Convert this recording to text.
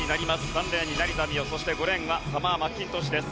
３レーンが成田実生５レーンはサマー・マッキントッシュです。